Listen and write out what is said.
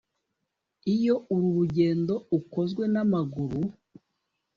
Iyo uru rugendo ukozwe n’ amaguru